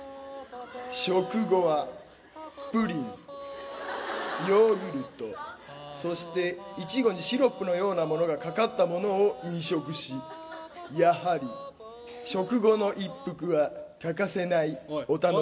食後はプリンヨーグルトそしてイチゴにシロップのようなものがかかったものを飲食しやはり食後の一服は欠かせないお楽しみ。